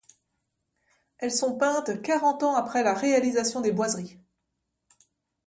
Elles sont peintes quarante ans après la réalisation des boiseries.